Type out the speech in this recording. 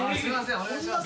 お願いします。